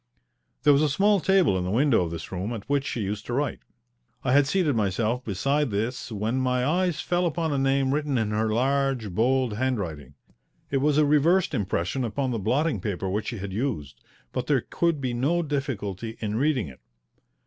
There was a small table in the window of this room at which she used to write. I had seated myself beside this when my eyes fell upon a name written in her large, bold hand writing. It was a reversed impression upon the blotting paper which she had used, but there could be no difficulty in reading it.